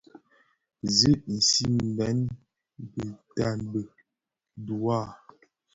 Zi isigmèn bidaabi dhiwa.